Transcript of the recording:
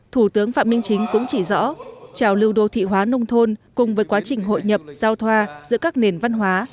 thủ tướng phạm minh chính cũng chỉ rõ trào lưu đô thị hóa nông thôn cùng với quá trình hội nhập giao thoa giữa các nền văn hóa